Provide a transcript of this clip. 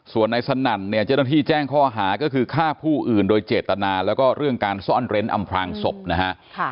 ส่วนนายสนั่นเนี่ยเจ้าหน้าที่แจ้งข้อหาก็คือฆ่าผู้อื่นโดยเจตนาแล้วก็เรื่องการซ่อนเร้นอำพลางศพนะฮะ